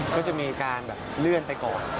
ก็จะมีการแบบเลื่อนไปก่อน